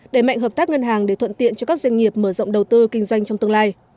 để mạnh hợp tác ngân hàng để thuận tiện cho các doanh nghiệp mở rộng đầu tư kinh doanh trong tương lai